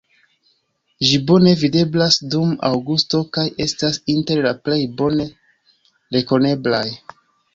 Ĝi bone videblas dum aŭgusto kaj estas inter la plej bone rekoneblaj.